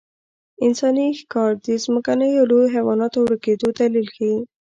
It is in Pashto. انساني ښکار د ځمکنیو لویو حیواناتو ورکېدو دلیل ښيي.